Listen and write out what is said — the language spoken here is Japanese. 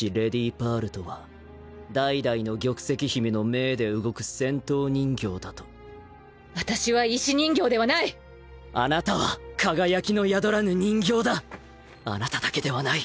パールとは代々の玉石姫の命で動く戦闘人形だと私は石人形ではないあなたは輝きの宿らぬ人形だあなただけではない。